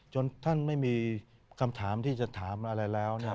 จนท่านไม่มีคำถามที่จะถามอะไรแล้ว